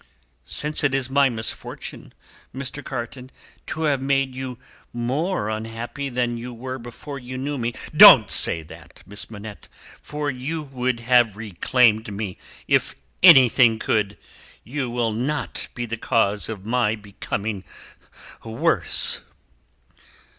"Since it is my misfortune, Mr. Carton, to have made you more unhappy than you were before you knew me " "Don't say that, Miss Manette, for you would have reclaimed me, if anything could. You will not be the cause of my becoming worse."